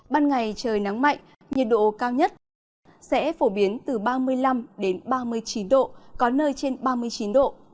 ban ngày trời nắng mạnh nhiệt độ cao nhất sẽ phổ biến từ ba mươi năm đến ba mươi chín độ có nơi trên ba mươi chín độ